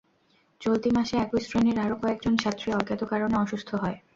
চলতি মাসে একই শ্রেণির আরও কয়েকজন ছাত্রী অজ্ঞাত কারণে অসুস্থ হয়।